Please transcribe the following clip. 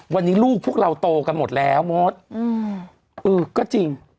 วันนี้ลูกพวกเราโตกันหมดแล้วมดเออก็จริง